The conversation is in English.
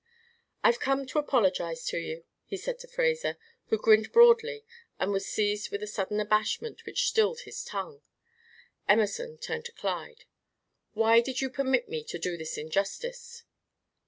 "I've come to apologize to you," he said to Fraser, who grinned broadly and was seized with a sudden abashment which stilled his tongue. Emerson turned to Clyde. "Why did you permit me to do this injustice?"